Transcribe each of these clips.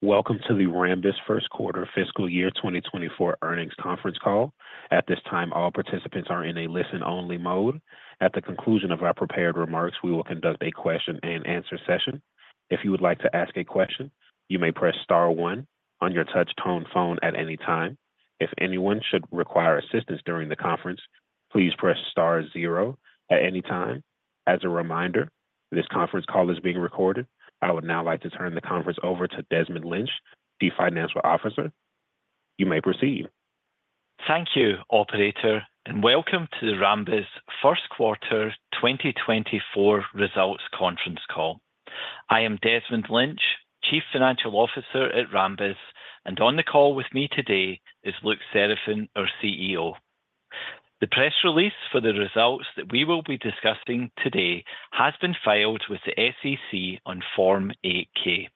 Welcome to the Rambus First Quarter Fiscal Year 2024 Earnings Conference Call. At this time, all participants are in a listen-only mode. At the conclusion of our prepared remarks, we will conduct a question and answer session. If you would like to ask a question, you may press star one on your touch-tone phone at any time. If anyone should require assistance during the conference, please press star zero at any time. As a reminder, this conference call is being recorded. I would now like to turn the conference over to Desmond Lynch, Chief Financial Officer. You may proceed. Thank you, Operator, and welcome to the Rambus First Quarter 2024 Results Conference Call. I am Desmond Lynch, Chief Financial Officer at Rambus, and on the call with me today is Luc Seraphin, our CEO. The press release for the results that we will be discussing today has been filed with the SEC on Form 8-K.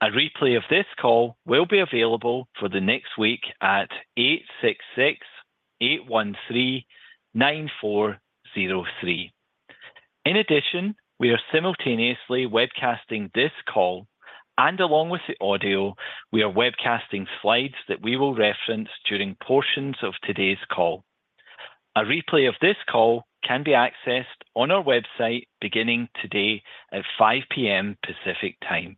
A replay of this call will be available for the next week at 866-813-9403. In addition, we are simultaneously webcasting this call, and along with the audio, we are webcasting slides that we will reference during portions of today's call. A replay of this call can be accessed on our website beginning today at 5:00 P.M. Pacific Time.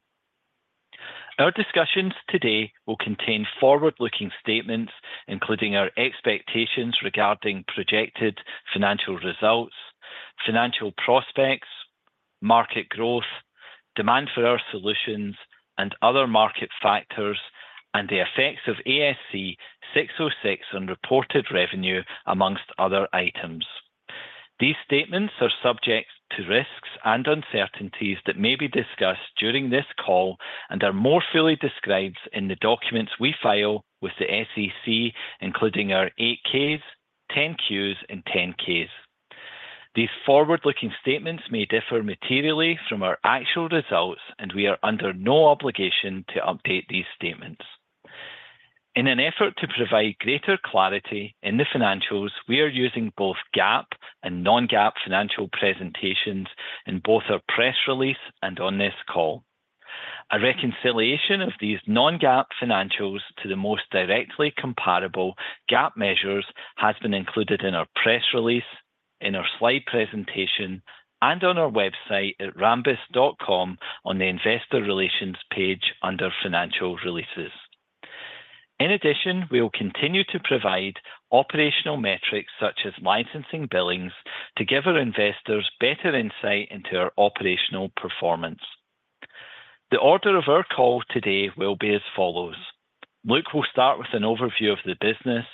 Our discussions today will contain forward-looking statements, including our expectations regarding projected financial results, financial prospects, market growth, demand for our solutions, and other market factors, and the effects of ASC 606 on reported revenue, among other items. These statements are subject to risks and uncertainties that may be discussed during this call and are more fully described in the documents we file with the SEC, including our 8-Ks, 10-Qs, and 10-Ks. These forward-looking statements may differ materially from our actual results, and we are under no obligation to update these statements. In an effort to provide greater clarity in the financials, we are using both GAAP and non-GAAP financial presentations in both our press release and on this call. A reconciliation of these non-GAAP financials to the most directly comparable GAAP measures has been included in our press release, in our slide presentation, and on our website at rambus.com on the Investor Relations page under Financial Releases. In addition, we will continue to provide operational metrics such as licensing billings to give our investors better insight into our operational performance. The order of our call today will be as follows: Luc will start with an overview of the business,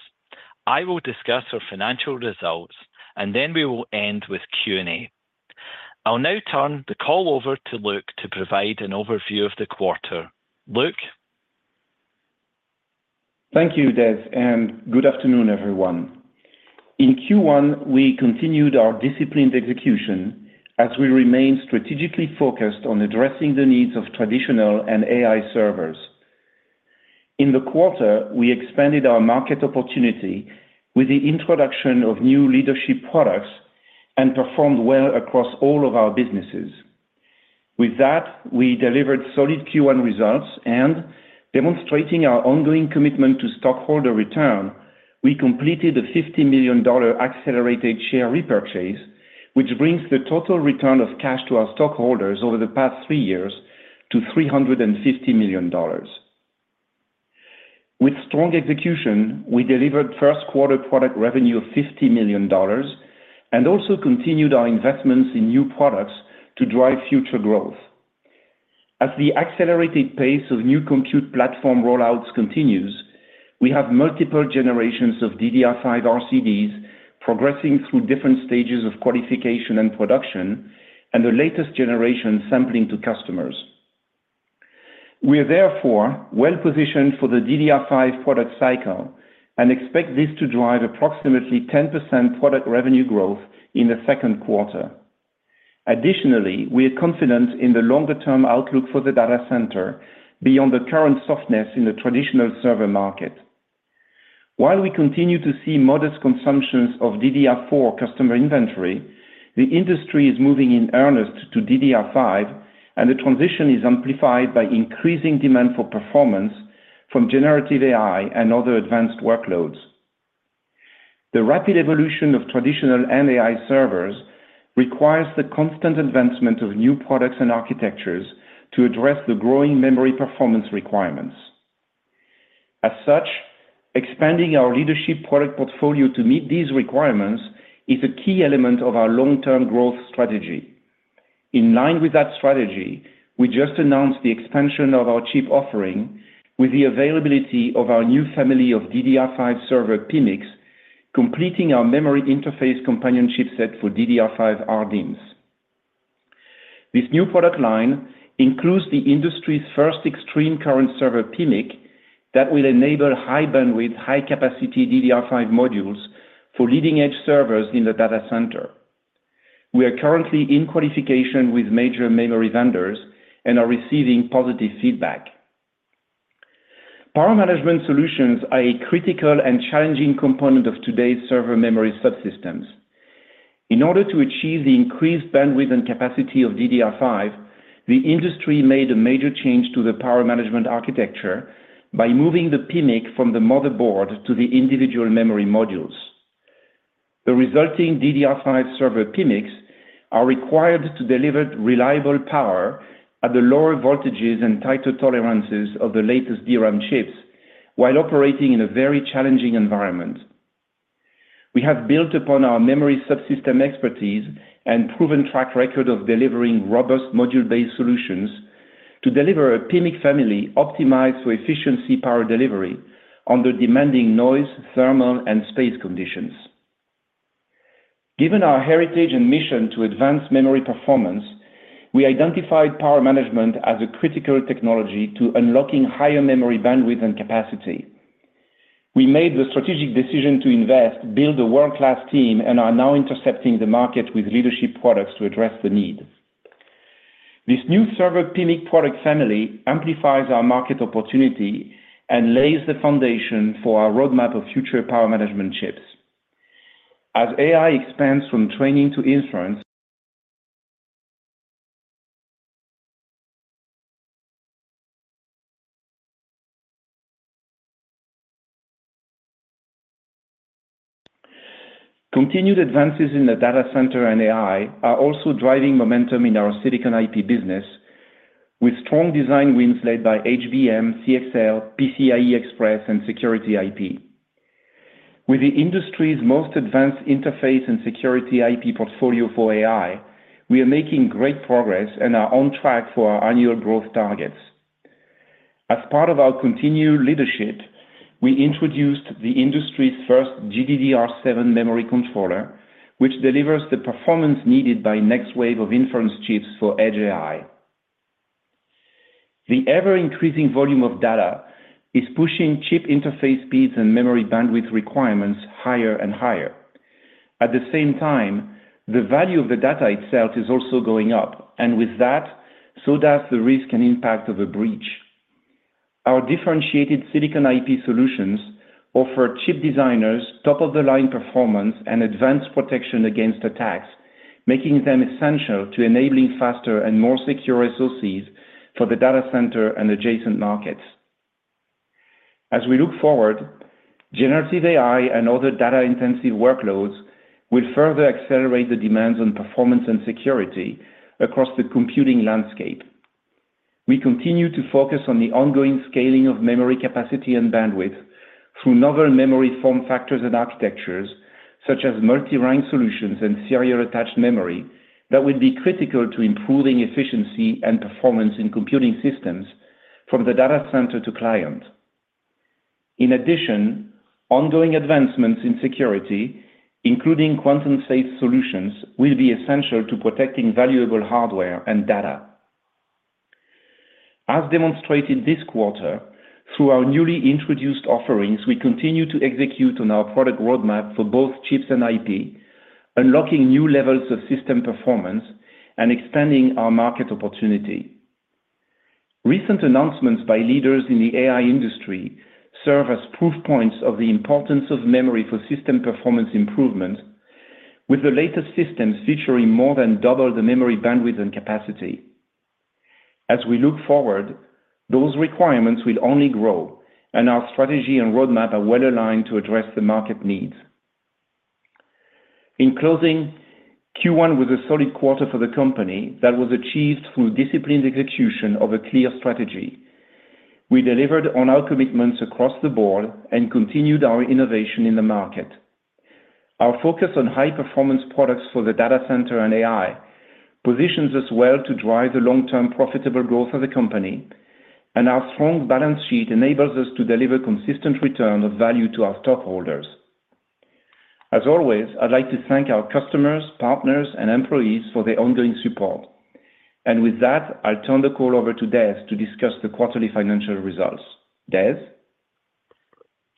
I will discuss our financial results, and then we will end with Q&A. I'll now turn the call over to Luc to provide an overview of the quarter. Luc? Thank you, Des, and good afternoon, everyone. In Q1, we continued our disciplined execution as we remained strategically focused on addressing the needs of traditional and AI servers. In the quarter, we expanded our market opportunity with the introduction of new leadership products and performed well across all of our businesses. With that, we delivered solid Q1 results, and demonstrating our ongoing commitment to stockholder return, we completed the $50 million accelerated share repurchase, which brings the total return of cash to our stockholders over the past three years to $350 million. With strong execution, we delivered first-quarter product revenue of $50 million and also continued our investments in new products to drive future growth. As the accelerated pace of new compute platform rollouts continues, we have multiple generations of DDR5 RCDs progressing through different stages of qualification and production, and the latest generation sampling to customers. We are, therefore, well-positioned for the DDR5 product cycle and expect this to drive approximately 10% product revenue growth in the second quarter. Additionally, we are confident in the longer-term outlook for the data center beyond the current softness in the traditional server market. While we continue to see modest consumptions of DDR4 customer inventory, the industry is moving in earnest to DDR5, and the transition is amplified by increasing demand for performance from generative AI and other advanced workloads. The rapid evolution of traditional and AI servers requires the constant advancement of new products and architectures to address the growing memory performance requirements. As such, expanding our leadership product portfolio to meet these requirements is a key element of our long-term growth strategy. In line with that strategy, we just announced the expansion of our chip offering with the availability of our new family of DDR5 server PMICs, completing our memory interface companion chipset for DDR5 RDIMMs. This new product line includes the industry's first extreme current server PMIC that will enable high-bandwidth, high-capacity DDR5 modules for leading-edge servers in the data center. We are currently in qualification with major memory vendors and are receiving positive feedback. Power management solutions are a critical and challenging component of today's server memory subsystems. In order to achieve the increased bandwidth and capacity of DDR5, the industry made a major change to the power management architecture by moving the PMIC from the motherboard to the individual memory modules. The resulting DDR5 server PMICs are required to deliver reliable power at the lower voltages and tighter tolerances of the latest DRAM chips while operating in a very challenging environment. We have built upon our memory subsystem expertise and proven track record of delivering robust module-based solutions to deliver a PMIC family optimized for efficiency power delivery under demanding noise, thermal, and space conditions. Given our heritage and mission to advance memory performance, we identified power management as a critical technology to unlocking higher memory bandwidth and capacity. We made the strategic decision to invest, build a world-class team, and are now intercepting the market with leadership products to address the need. This new server PMIC product family amplifies our market opportunity and lays the foundation for our roadmap of future power management chips. As AI expands from training to inference, continued advances in the data center and AI are also driving momentum in our silicon IP business with strong design wins led by HBM, CXL, PCI Express, and Security IP. With the industry's most advanced interface and Security IP portfolio for AI, we are making great progress and are on track for our annual growth targets. As part of our continual leadership, we introduced the industry's first GDDR7 memory controller, which delivers the performance needed by next wave of inference chips for edge AI. The ever-increasing volume of data is pushing chip interface speeds and memory bandwidth requirements higher and higher. At the same time, the value of the data itself is also going up, and with that, so does the risk and impact of a breach. Our differentiated silicon IP solutions offer chip designers top-of-the-line performance and advanced protection against attacks, making them essential to enabling faster and more secure SoCs for the data center and adjacent markets. As we look forward, generative AI and other data-intensive workloads will further accelerate the demands on performance and security across the computing landscape. We continue to focus on the ongoing scaling of memory capacity and bandwidth through novel memory form factors and architectures, such as multi-rank solutions and serial-attached memory, that will be critical to improving efficiency and performance in computing systems from the data center to client. In addition, ongoing advancements in security, including quantum-safe solutions, will be essential to protecting valuable hardware and data. As demonstrated this quarter, through our newly introduced offerings, we continue to execute on our product roadmap for both chips and IP, unlocking new levels of system performance and expanding our market opportunity. Recent announcements by leaders in the AI industry serve as proof points of the importance of memory for system performance improvement, with the latest systems featuring more than double the memory bandwidth and capacity. As we look forward, those requirements will only grow, and our strategy and roadmap are well aligned to address the market needs. In closing, Q1 was a solid quarter for the company that was achieved through disciplined execution of a clear strategy. We delivered on our commitments across the board and continued our innovation in the market. Our focus on high-performance products for the data center and AI positions us well to drive the long-term profitable growth of the company, and our strong balance sheet enables us to deliver consistent return of value to our stockholders. As always, I'd like to thank our customers, partners, and employees for their ongoing support. And with that, I'll turn the call over to Des to discuss the quarterly financial results. Des?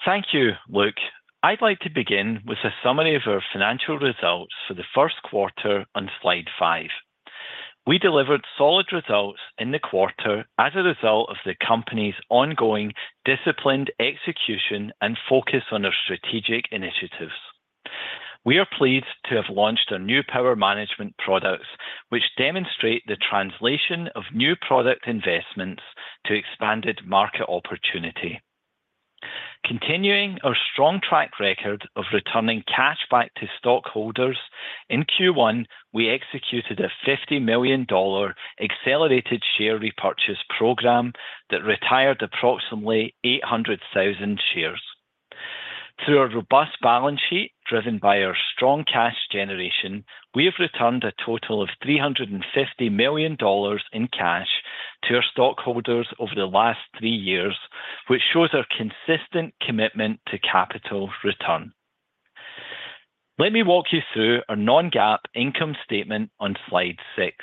Thank you, Luc. I'd like to begin with a summary of our financial results for the first quarter on slide 5. We delivered solid results in the quarter as a result of the company's ongoing disciplined execution and focus on our strategic initiatives. We are pleased to have launched our new power management products, which demonstrate the translation of new product investments to expanded market opportunity. Continuing our strong track record of returning cash back to stockholders, in Q1, we executed a $50 million accelerated share repurchase program that retired approximately 800,000 shares. Through our robust balance sheet driven by our strong cash generation, we have returned a total of $350 million in cash to our stockholders over the last three years, which shows our consistent commitment to capital return. Let me walk you through our non-GAAP income statement on slide 6.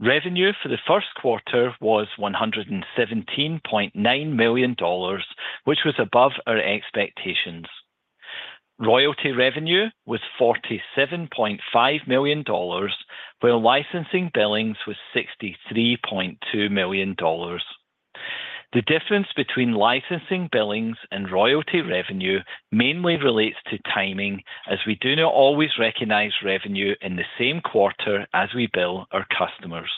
Revenue for the first quarter was $117.9 million, which was above our expectations. Royalty revenue was $47.5 million, while licensing billings was $63.2 million. The difference between licensing billings and royalty revenue mainly relates to timing, as we do not always recognize revenue in the same quarter as we bill our customers.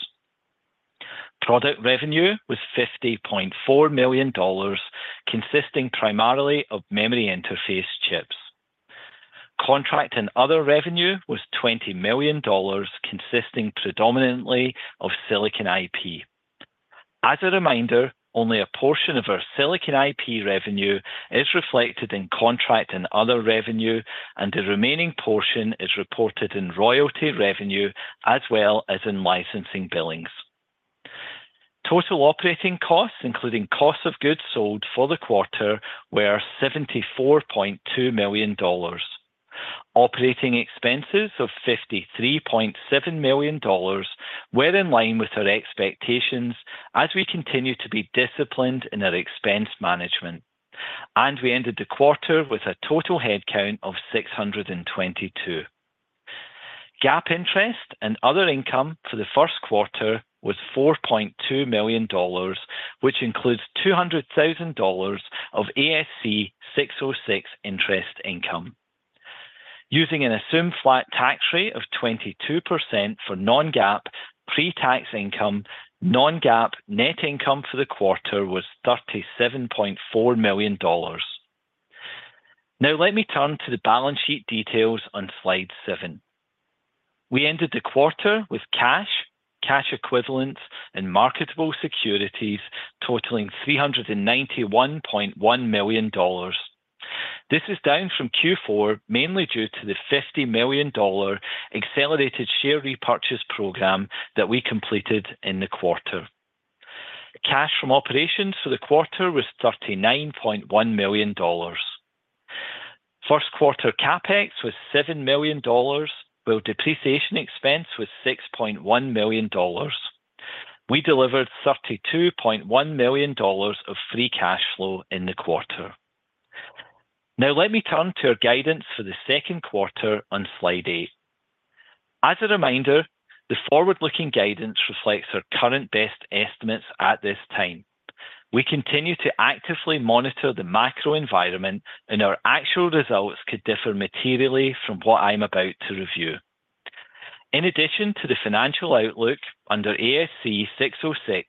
Product revenue was $50.4 million, consisting primarily of memory interface chips. Contract and other revenue was $20 million, consisting predominantly of silicon IP. As a reminder, only a portion of our silicon IP revenue is reflected in contract and other revenue, and the remaining portion is reported in royalty revenue as well as in licensing billings. Total operating costs, including cost of goods sold for the quarter, were $74.2 million. Operating expenses of $53.7 million were in line with our expectations as we continue to be disciplined in our expense management, and we ended the quarter with a total headcount of 622. GAAP interest and other income for the first quarter was $4.2 million, which includes $200,000 of ASC 606 interest income. Using an assumed flat tax rate of 22% for non-GAAP, pre-tax income, non-GAAP net income for the quarter was $37.4 million. Now, let me turn to the balance sheet details on slide 7. We ended the quarter with cash, cash equivalents, and marketable securities totaling $391.1 million. This is down from Q4 mainly due to the $50 million accelerated share repurchase program that we completed in the quarter. Cash from operations for the quarter was $39.1 million. First quarter CapEx was $7 million, while depreciation expense was $6.1 million. We delivered $32.1 million of free cash flow in the quarter. Now, let me turn to our guidance for the second quarter on slide 8. As a reminder, the forward-looking guidance reflects our current best estimates at this time. We continue to actively monitor the macro environment, and our actual results could differ materially from what I'm about to review. In addition to the financial outlook under ASC 606,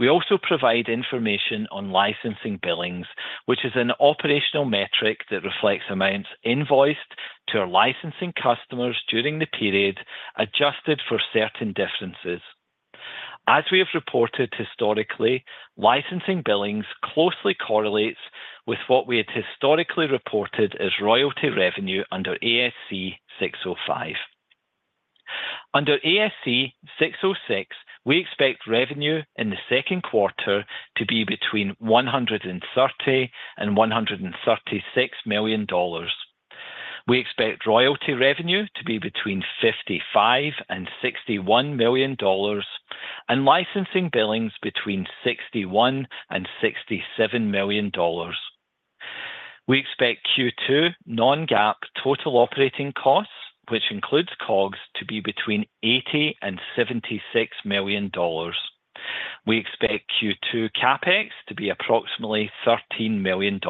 we also provide information on licensing billings, which is an operational metric that reflects amounts invoiced to our licensing customers during the period adjusted for certain differences. As we have reported historically, licensing billings closely correlate with what we had historically reported as royalty revenue under ASC 605. Under ASC 606, we expect revenue in the second quarter to be between $130 and $136 million. We expect royalty revenue to be between $55 million-$61 million, and licensing billings between $61 million-$67 million. We expect Q2 non-GAAP total operating costs, which includes COGS, to be between $80 million-$76 million. We expect Q2 CapEx to be approximately $13 million.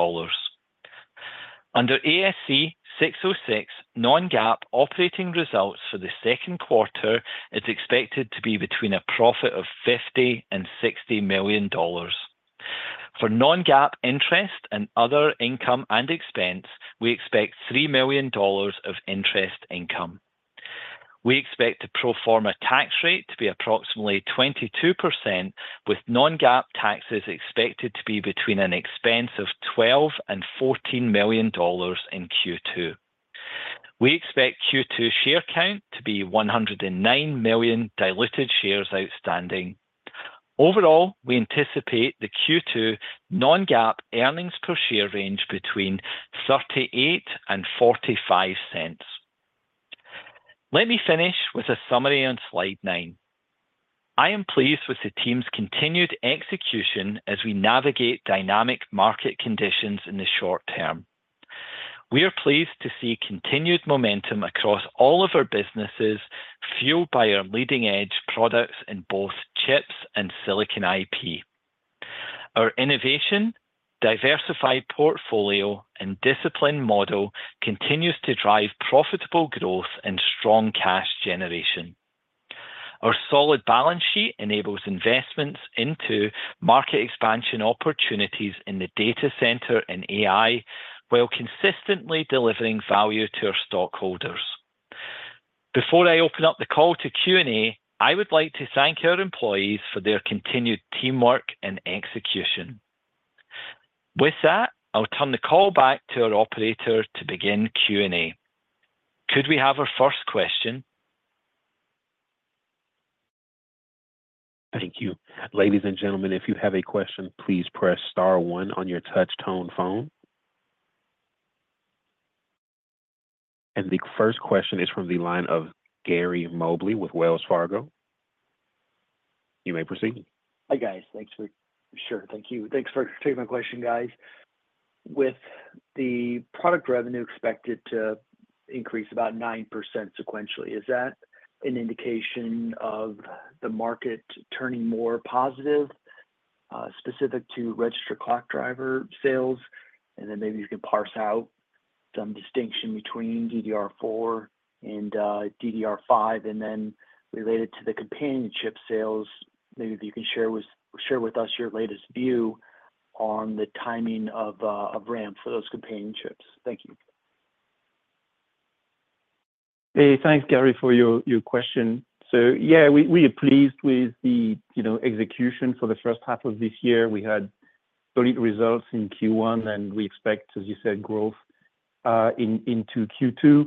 Under ASC 606, non-GAAP operating results for the second quarter are expected to be between a profit of $50 million-$60 million. For non-GAAP interest and other income and expense, we expect $3 million of interest income. We expect the pro forma tax rate to be approximately 22%, with non-GAAP taxes expected to be between an expense of $12 million-$14 million in Q2. We expect Q2 share count to be 109 million diluted shares outstanding. Overall, we anticipate the Q2 non-GAAP earnings per share range between $0.38-$0.45. Let me finish with a summary on slide 9. I am pleased with the team's continued execution as we navigate dynamic market conditions in the short term. We are pleased to see continued momentum across all of our businesses, fueled by our leading-edge products in both chips and silicon IP. Our innovation, diversified portfolio, and discipline model continues to drive profitable growth and strong cash generation. Our solid balance sheet enables investments into market expansion opportunities in the data center and AI, while consistently delivering value to our stockholders. Before I open up the call to Q&A, I would like to thank our employees for their continued teamwork and execution. With that, I'll turn the call back to our operator to begin Q&A. Could we have our first question? Thank you. Ladies and gentlemen, if you have a question, please press star one on your touch-tone phone. And the first question is from the line of Gary Mobley with Wells Fargo. You may proceed. Hi, guys. Thanks for sure. Thank you. Thanks for taking my question, guys. With the product revenue expected to increase about 9% sequentially, is that an indication of the market turning more positive specific to Registered Clock Driver sales? Then maybe you can parse out some distinction between DDR4 and DDR5. Then related to the companion chip sales, maybe if you can share with us your latest view on the timing of ramp for those companion chips. Thank you. Thanks, Gary, for your question. So yeah, we are pleased with the execution for the first half of this year. We had solid results in Q1, and we expect, as you said, growth into Q2.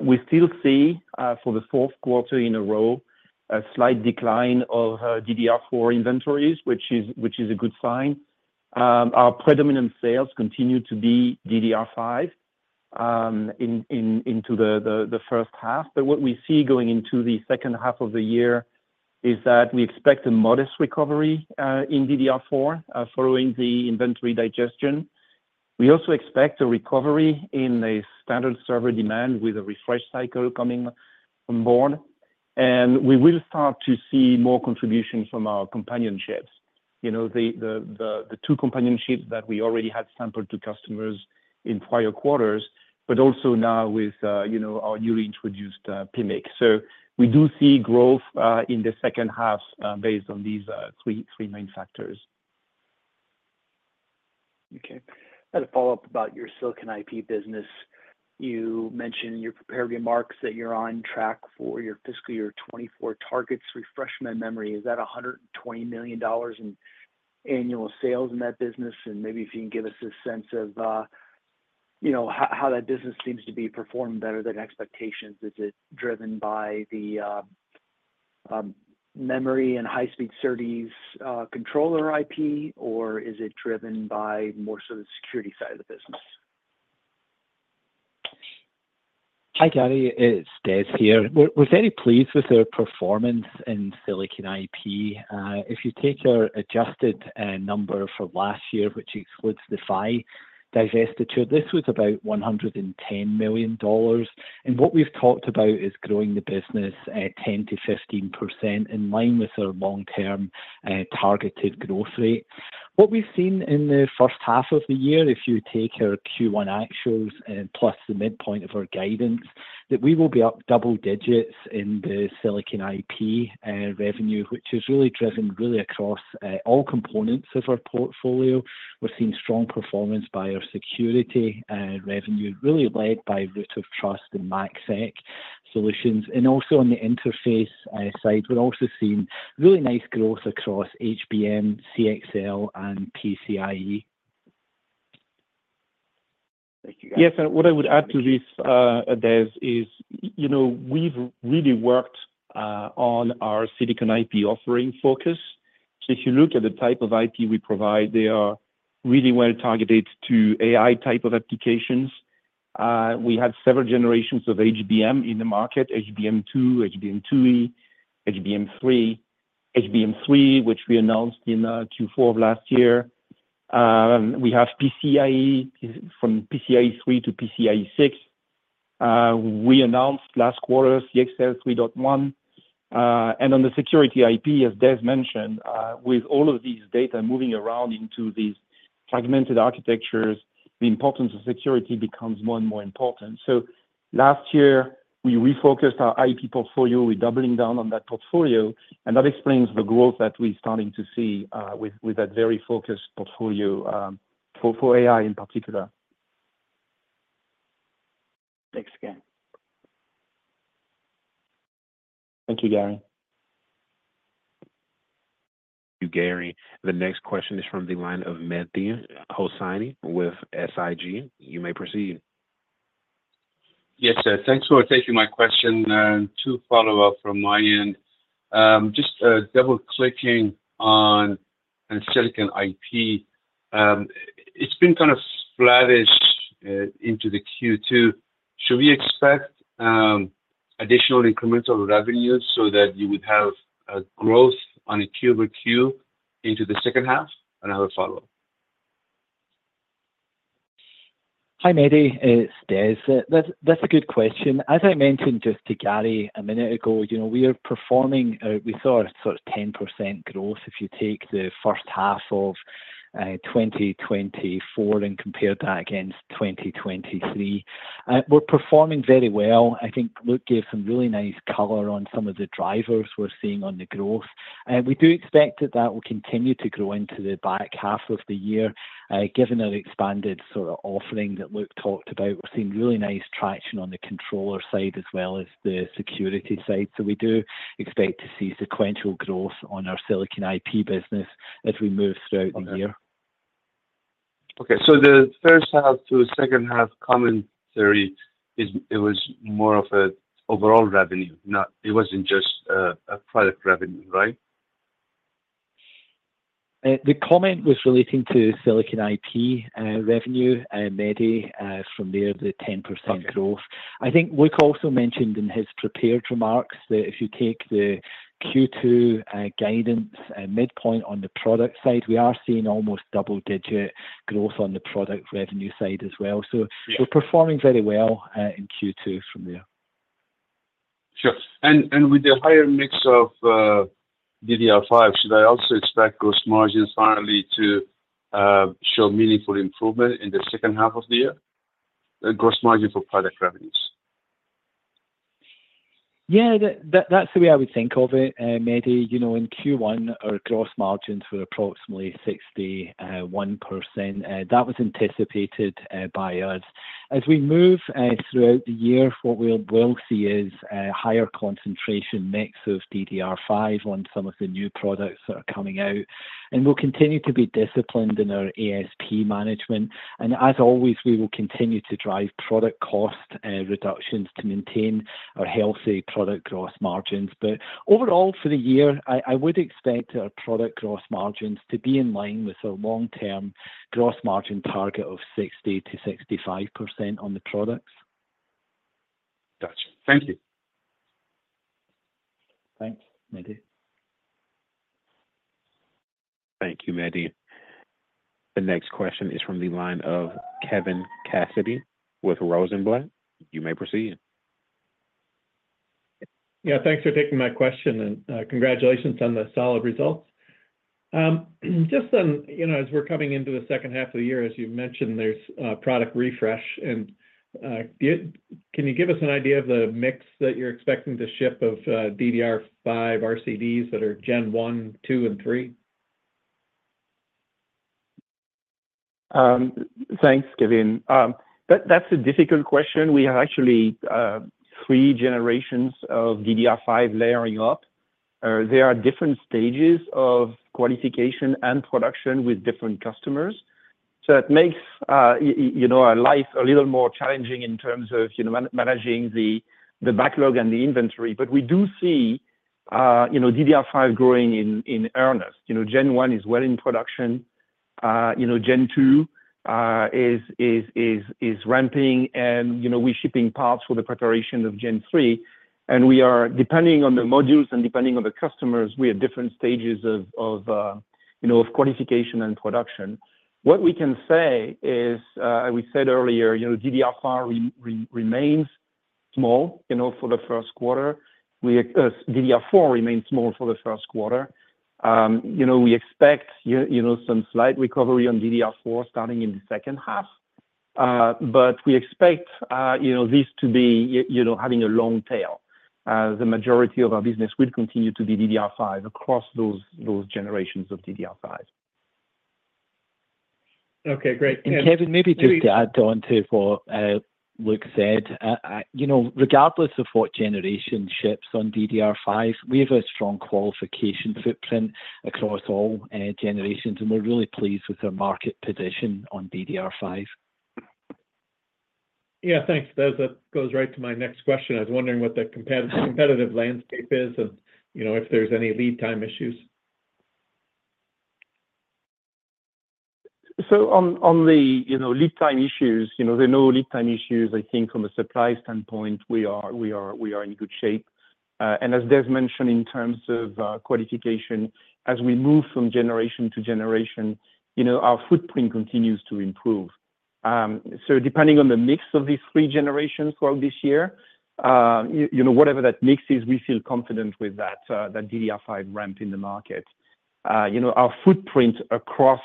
We still see, for the fourth quarter in a row, a slight decline of DDR4 inventories, which is a good sign. Our predominant sales continue to be DDR5 into the first half. But what we see going into the second half of the year is that we expect a modest recovery in DDR4 following the inventory digestion. We also expect a recovery in the standard server demand with a refresh cycle coming on board. We will start to see more contribution from our companion chips, the two companion chips that we already had sampled to customers in prior quarters, but also now with our newly introduced PMIC. So we do see growth in the second half based on these three main factors. Okay. I had a follow-up about your silicon IP business. You mentioned in your prepared remarks that you're on track for your fiscal year 2024 targets, refreshing my memory. Is that $120 million in annual sales in that business? And maybe if you can give us a sense of how that business seems to be performing better than expectations, is it driven by the memory and high-speed SERDES controller IP, or is it driven by more so the security side of the business? Hi, Gary. It's Des here. We're very pleased with our performance in silicon IP. If you take our adjusted number from last year, which excludes the PHY divestiture, this was about $110 million. What we've talked about is growing the business 10%-15% in line with our long-term targeted growth rate. What we've seen in the first half of the year, if you take our Q1 actuals plus the midpoint of our guidance, that we will be up double digits in the silicon IP revenue, which is really driven really across all components of our portfolio. We're seeing strong performance by our security revenue, really led by Root of Trust and MACsec Solutions. Also on the interface side, we're also seeing really nice growth across HBM, CXL, and PCIe. Thank you, guys. Yes. And what I would add to this, Des, is we've really worked on our silicon IP offering focus. So if you look at the type of IP we provide, they are really well targeted to AI type of applications. We have several generations of HBM in the market: HBM2, HBM2e, HBM3, HBM3e, which we announced in Q4 of last year. We have PCIe from PCIe 3 to PCIe 6. We announced last quarter CXL 3.1. And on the security IP, as Des mentioned, with all of these data moving around into these fragmented architectures, the importance of security becomes more and more important. So last year, we refocused our IP portfolio. We're doubling down on that portfolio. And that explains the growth that we're starting to see with that very focused portfolio for AI in particular. Thanks again. Thank you, Gary. Thank you, Gary. The next question is from the line of Mehdi Hosseini with SIG. You may proceed. Yes, sir. Thanks for taking my question. Two follow-ups from my end. Just double-clicking on silicon IP, it's been kind of flattish into the Q2. Should we expect additional incremental revenues so that you would have growth on a Q over Q into the second half? I'll have a follow-up. Hi, Matthew. It's Des. That's a good question. As I mentioned just to Gary a minute ago, we saw a sort of 10% growth if you take the first half of 2024 and compare that against 2023. We're performing very well. I think Luke gave some really nice color on some of the drivers we're seeing on the growth. We do expect that that will continue to grow into the back half of the year, given our expanded sort of offering that Luke talked about. We're seeing really nice traction on the controller side as well as the security side. So we do expect to see sequential growth on our silicon IP business as we move throughout the year. Okay. So the first half to second half commentary, it was more of an overall revenue. It wasn't just a product revenue, right? The comment was relating to silicon IP revenue, Matthew, from there, the 10% growth. I think Luc also mentioned in his prepared remarks that if you take the Q2 guidance midpoint on the product side, we are seeing almost double-digit growth on the product revenue side as well. So we're performing very well in Q2 from there. Sure. And with the higher mix of DDR5, should I also expect gross margins finally to show meaningful improvement in the second half of the year, gross margin for product revenues? Yeah, that's the way I would think of it, Matthew. In Q1, our gross margins were approximately 61%. That was anticipated by us. As we move throughout the year, what we will see is a higher concentration mix of DDR5 on some of the new products that are coming out. And we'll continue to be disciplined in our ASP management. And as always, we will continue to drive product cost reductions to maintain our healthy product gross margins. But overall, for the year, I would expect our product gross margins to be in line with our long-term gross margin target of 60%-65% on the products. Gotcha. Thank you. Thanks, Matthew. Thank you, Matthew. The next question is from the line of Kevin Cassidy with Rosenblatt. You may proceed. Yeah. Thanks for taking my question, and congratulations on the solid results. Just then, as we're coming into the second half of the year, as you mentioned, there's product refresh. Can you give us an idea of the mix that you're expecting to ship of DDR5 RCDs that are Gen 1, 2, and 3? Thanks, Kevin. That's a difficult question. We have actually three generations of DDR5 layering up. There are different stages of qualification and production with different customers. So it makes our life a little more challenging in terms of managing the backlog and the inventory. But we do see DDR5 growing in earnest. Gen 1 is well in production. Gen 2 is ramping, and we're shipping parts for the preparation of Gen 3. And depending on the modules and depending on the customers, we have different stages of qualification and production. What we can say is, as we said earlier, DDR5 remains small for the first quarter. DDR4 remains small for the first quarter. We expect some slight recovery on DDR4 starting in the second half. But we expect this to be having a long tail. The majority of our business will continue to be DDR5 across those generations of DDR5. Okay. Great. Kevin, maybe just to add on to what Luc said, regardless of what generation ships on DDR5, we have a strong qualification footprint across all generations, and we're really pleased with our market position on DDR5. Yeah. Thanks, Des. That goes right to my next question. I was wondering what the competitive landscape is and if there's any lead time issues. On the lead time issues, there are no lead time issues. I think from a supply standpoint, we are in good shape. As Des mentioned, in terms of qualification, as we move from generation to generation, our footprint continues to improve. Depending on the mix of these three generations throughout this year, whatever that mix is, we feel confident with that DDR5 ramp in the market. Our footprint across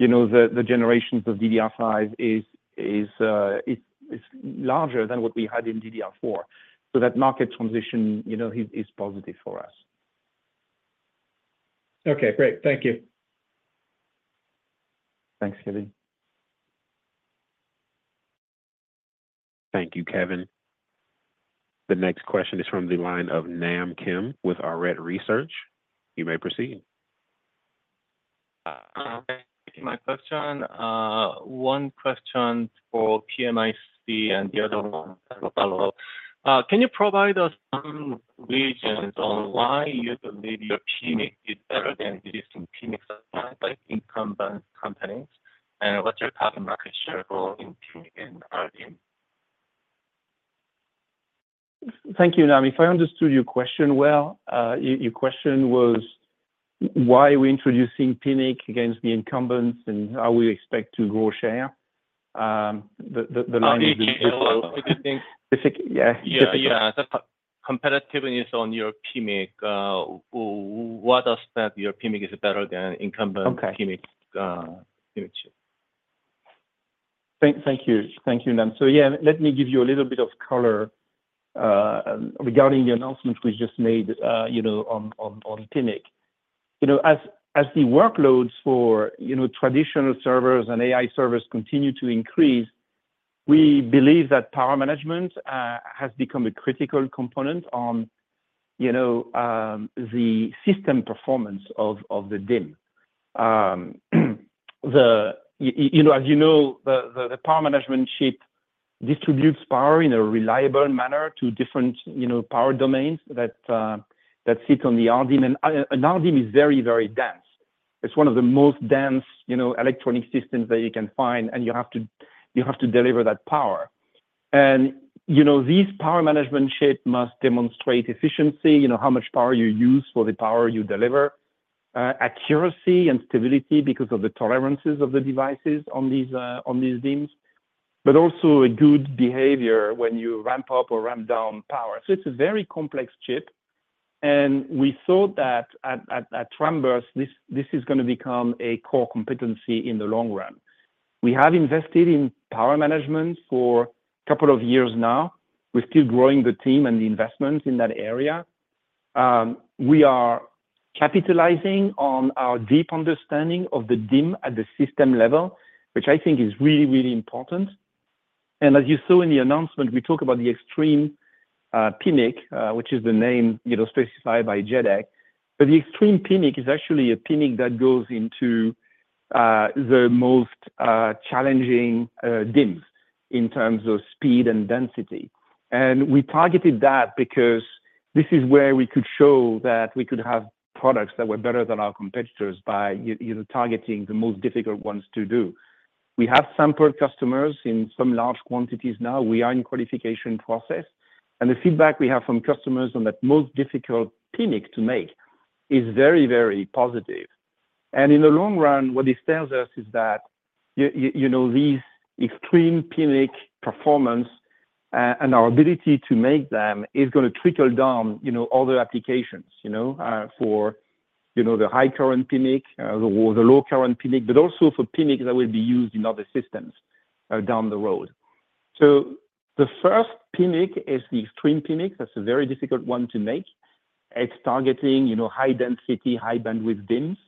the generations of DDR5 is larger than what we had in DDR4. That market transition is positive for us. Okay. Great. Thank you. Thanks, Kevin. Thank you, Kevin. The next question is from the line of Nam Kim with Arete Research. You may proceed. Thank you, Mike. Question. One question for PMIC and the other one as a follow-up. Can you provide us some reasons on why you believe your PMIC is better than existing PMIC suppliers like incumbent companies? And what's your target market share goal in PMIC and RDIMM? Thank you, Nam. If I understood your question well, your question was why we're introducing PMIC against the incumbents and how we expect to grow share. The line is in. Oh, you changed it a little. Did you think? Yeah. Yeah. Competitiveness on your PMIC. What aspect of your PMIC is better than incumbent PMIC chip? Thank you. Thank you, Nam. So yeah, let me give you a little bit of color regarding the announcement we just made on PMIC. As the workloads for traditional servers and AI servers continue to increase, we believe that power management has become a critical component on the system performance of the DIMM. As you know, the power management chip distributes power in a reliable manner to different power domains that sit on the RDIMM. And RDIMM is very, very dense. It's one of the most dense electronic systems that you can find, and you have to deliver that power. This power management chip must demonstrate efficiency, how much power you use for the power you deliver, accuracy and stability because of the tolerances of the Desices on these DIMs, but also a good behavior when you ramp up or ramp down power. It's a very complex chip. We thought that at Rambus, this is going to become a core competency in the long run. We have invested in power management for a couple of years now. We're still growing the team and the investments in that area. We are capitalizing on our deep understanding of the DIM at the system level, which I think is really, really important. As you saw in the announcement, we talk about the extreme PMIC, which is the name specified by JEDEC. The extreme PMIC is actually a PMIC that goes into the most challenging DIMs in terms of speed and density. We targeted that because this is where we could show that we could have products that were better than our competitors by targeting the most difficult ones to do. We have sampled customers in some large quantities now. We are in the qualification process. The feedback we have from customers on that most difficult PMIC to make is very, very positive. In the long run, what this tells us is that this extreme PMIC performance and our ability to make them is going to trickle down other applications for the high-current PMIC, the low-current PMIC, but also for PMICs that will be used in other systems down the road. The first PMIC is the extreme PMIC. That's a very difficult one to make. It's targeting high-density, high-bandwidth DIMs.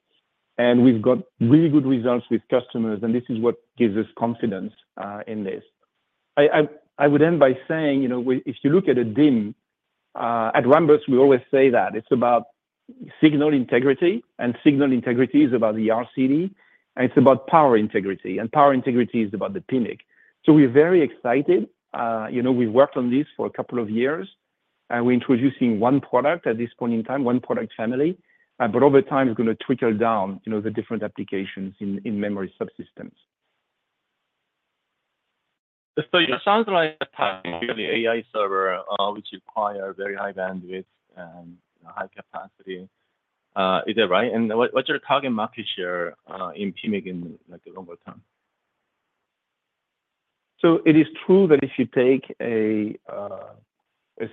We've got really good results with customers, and this is what gives us confidence in this. I would end by saying, if you look at a DIM at Rambus, we always say that it's about signal integrity. Signal integrity is about the RCD. It's about power integrity. Power integrity is about the PMIC. We're very excited. We've worked on this for a couple of years. We're introducing one product at this point in time, one product family. Over time, it's going to trickle down the different applications in memory subsystems. So it sounds like a target really, AI server, which requires very high bandwidth and high capacity. Is that right? And what's your target market share in PMIC in the longer term? So it is true that if you take a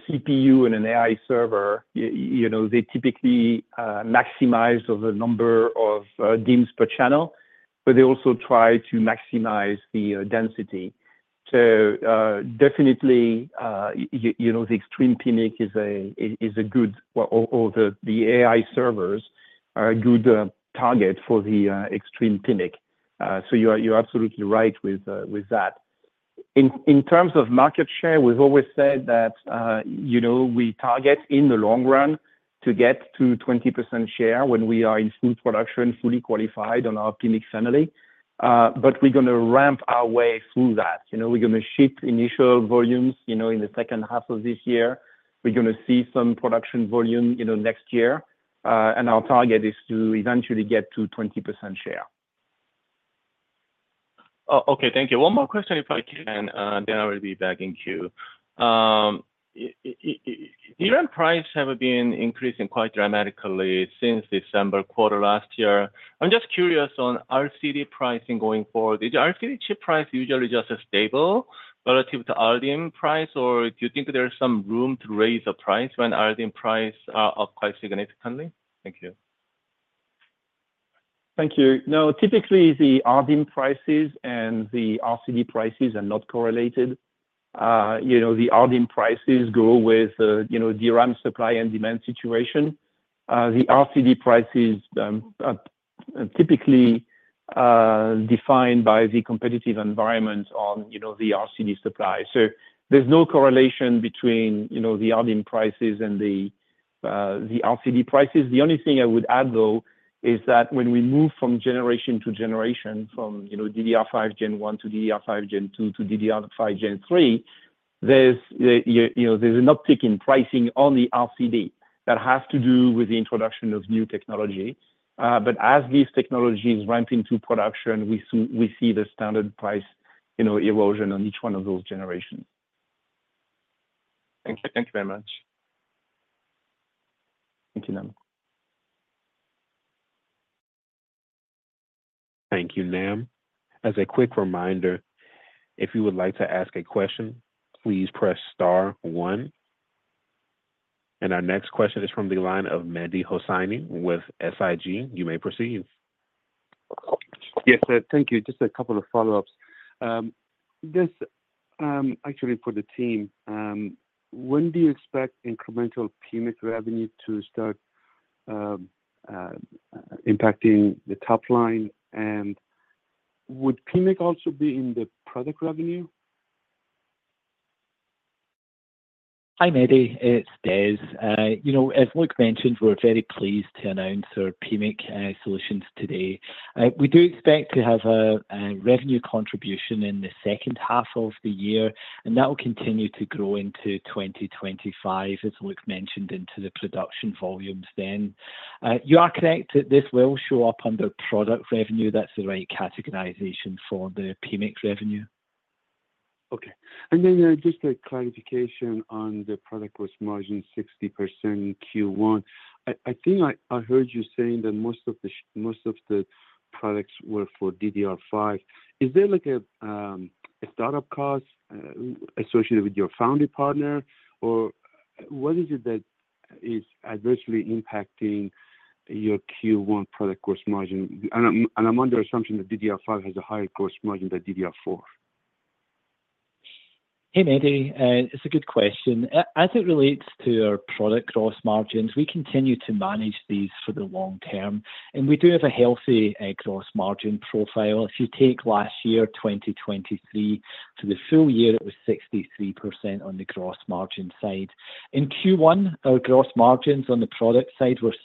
CPU and an AI server, they typically maximize the number of DIMs per channel, but they also try to maximize the density. So definitely, the extreme PMIC is a good or the AI servers are a good target for the extreme PMIC. So you're absolutely right with that. In terms of market share, we've always said that we target in the long run to get to 20% share when we are in full production, fully qualified on our PMIC family. But we're going to ramp our way through that. We're going to ship initial volumes in the second half of this year. We're going to see some production volume next year. And our target is to eventually get to 20% share. Okay. Thank you. One more question, if I can, then I will be back in queue. Do you find prices having been increasing quite dramatically since December quarter last year? I'm just curious on RCD pricing going forward. Is the RCD chip price usually just stable relative to RDIMM price, or do you think there's some room to raise the price when RDIMM prices are up quite significantly? Thank you. Thank you. Now, typically, the RDIMM prices and the RCD prices are not correlated. The RDIMM prices go with DRAM supply and demand situation. The RCD prices are typically defined by the competitive environment on the RCD supply. So there's no correlation between the RDIMM prices and the RCD prices. The only thing I would add, though, is that when we move from generation to generation, from DDR5 Gen 1 to DDR5 Gen 2 to DDR5 Gen 3, there's an uptick in pricing on the RCD that has to do with the introduction of new technology. But as these technologies ramp into production, we see the standard price erosion on each one of those generations. Thank you. Thank you very much. Thank you, Nam. Thank you, Nam. As a quick reminder, if you would like to ask a question, please press star 1. And our next question is from the line of Mehdi Hosseini with SIG. You may proceed. Yes, sir. Thank you. Just a couple of follow-ups. Actually, for the team, when do you expect incremental PMIC revenue to start impacting the top line? And would PMIC also be in the product revenue? Hi, Mehdi. It's Des. As Luc mentioned, we're very pleased to announce our PMIC solutions today. We do expect to have a revenue contribution in the second half of the year, and that will continue to grow into 2025, as Luke mentioned, into the production volumes then. You are correct that this will show up under product revenue. That's the right categorization for the PMIC revenue. Okay. Then just a clarification on the product gross margin, 60% Q1. I think I heard you saying that most of the products were for DDR5. Is there a startup cost associated with your foundry partner, or what is it that is adversely impacting your Q1 product gross margin? I'm under assumption that DDR5 has a higher gross margin than DDR4. Hey, Mehdi. It's a good question. As it relates to our product gross margins, we continue to manage these for the long term, and we do have a healthy gross margin profile. If you take last year, 2023, for the full year, it was 63% on the gross margin side. In Q1, our gross margins on the product side were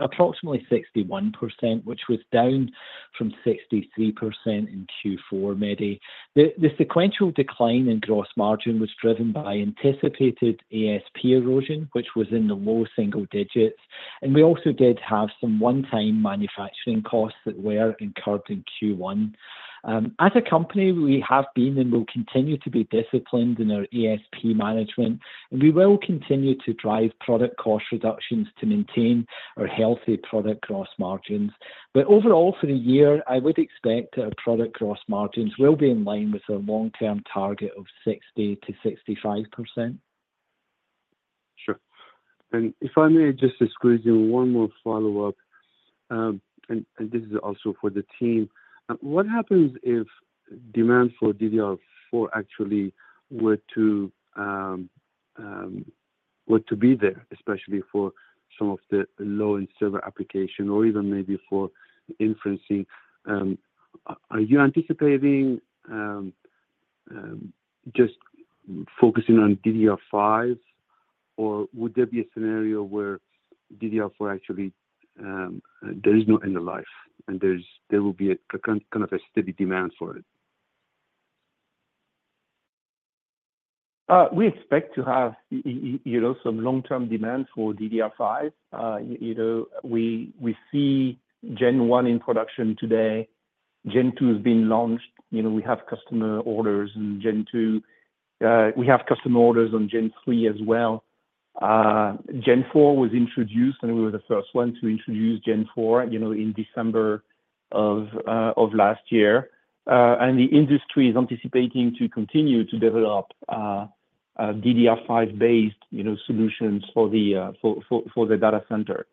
approximately 61%, which was down from 63% in Q4, Mehdi. The sequential decline in gross margin was driven by anticipated ASP erosion, which was in the low single digits. And we also did have some one-time manufacturing costs that were incurred in Q1. As a company, we have been and will continue to be disciplined in our ASP management, and we will continue to drive product cost reductions to maintain our healthy product gross margins. Overall, for the year, I would expect that our product gross margins will be in line with our long-term target of 60%-65%. Sure. And if I may, just excuse me, one more follow-up. And this is also for the team. What happens if demand for DDR4 actually were to be there, especially for some of the low-end server applications or even maybe for inferencing? Are you anticipating just focusing on DDR5, or would there be a scenario where DDR4 actually there is no end of life and there will be kind of a steady demand for it? We expect to have some long-term demand for DDR5. We see Gen 1 in production today. Gen 2 has been launched. We have customer orders on Gen 2. We have customer orders on Gen 3 as well. Gen 4 was introduced, and we were the first ones to introduce Gen 4 in December of last year. And the industry is anticipating to continue to develop DDR5-based solutions for the data center.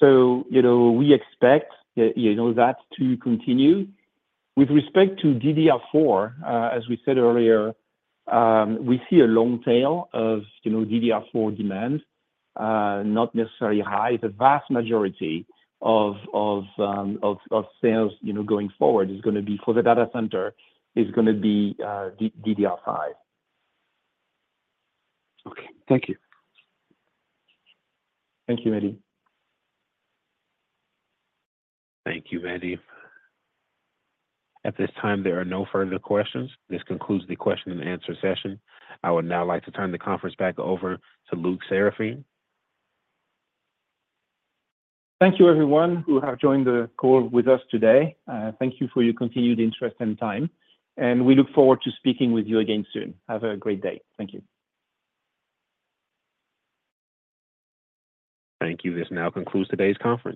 We expect that to continue. With respect to DDR4, as we said earlier, we see a long tail of DDR4 demand, not necessarily high. The vast majority of sales going forward is going to be for the data center, is going to be DDR5. Okay. Thank you. Thank you, Mehdi. Thank you, Mehdi. At this time, there are no further questions. This concludes the question-and-answer session. I would now like to turn the conference back over to Luc Seraphin. Thank you, everyone who have joined the call with us today. Thank you for your continued interest and time. We look forward to speaking with you again soon. Have a great ay. Thank you. Thank you. This now concludes today's conference.